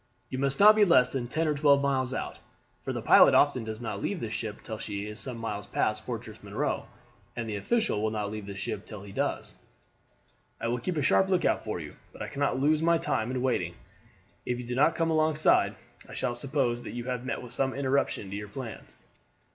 You must not be less than ten or twelve miles out, for the pilot often does not leave the ship till she is some miles past Fortress Monroe, and the official will not leave the ship till he does. I will keep a sharp lookout for you, but I cannot lose my time in waiting. If you do not come alongside I shall suppose that you have met with some interruption to your plans."